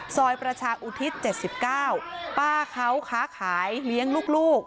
ซอยประชาอุทิศ๗๙ป้าเขาค้าขายเลี้ยงลูก